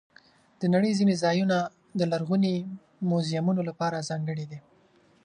د نړۍ ځینې ځایونه د لرغوني میوزیمونو لپاره ځانګړي دي.